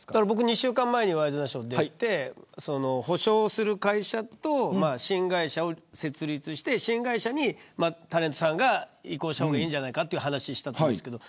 ２週間前にワイドナショーに出て補償する会社と新会社を設立して新会社にタレントさんが移行した方がいいんじゃないかという話したと思うんですけど。